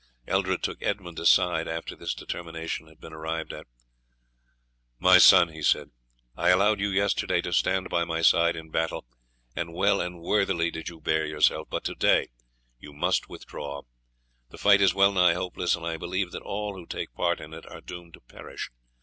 Eldred took Edmund aside after this determination had been arrived at. "My son," he said, "I allowed you yesterday to stand by my side in battle, and well and worthily did you bear yourself, but to day you must withdraw. The fight is well nigh hopeless, and I believe that all who take part in it are doomed to perish.